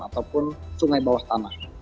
ataupun sungai bawah tanah